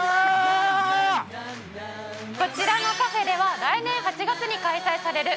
こちらのカフェでは来年８月に開催される